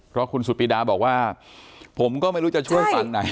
เพราะคุณสุปิดาบอกว่าผมก็ไม่รู้จะช่วยฝั่งไหน